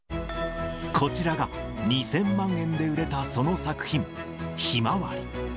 こちらが、２０００万円で売れたその作品、向日葵。